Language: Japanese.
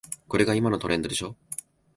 これが今のトレンドでしょ